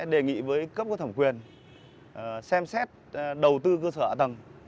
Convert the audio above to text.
đề nghị với cấp cơ thẩm quyền xem xét đầu tư cơ sở ạ tầng